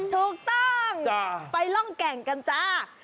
ถูกต้องไปร่องแก่งกันจ้า